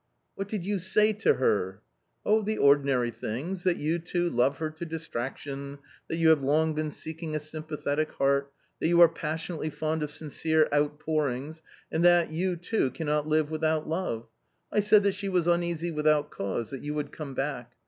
" What did you say to her ?"" Oh, the ordinary things, that you, too, love her to dis traction, that you have long been seeking a sympathetic heart ; that you are passionately fond of sincere outpourings ; and that you, too, cannot live without love. I said that she was uneasy without cause ; that you would come back.